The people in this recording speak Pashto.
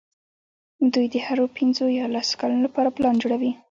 دوی د هرو پینځو یا لسو کلونو لپاره پلان جوړوي.